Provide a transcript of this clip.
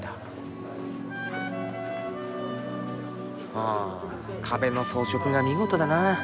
はぁ壁の装飾が見事だな。